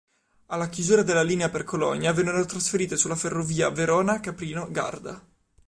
Alla chiusura della linea per Cologna vennero trasferite sulla ferrovia Verona-Caprino-Garda.